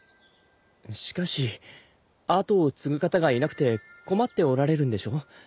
しかし跡を継ぐ方がいなくて困っておられるんでしょう。